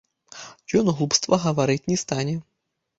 Ён глупства гаварыць не стане.